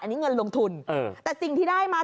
อันนี้เงินลงทุนแต่สิ่งที่ได้มา